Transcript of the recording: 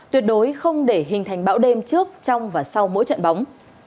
tuyệt đối không để hình thành bão đêm trước trong và sau mỗi trận bóng